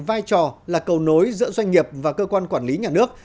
vai trò là cầu nối giữa doanh nghiệp và cơ quan quản lý nhà nước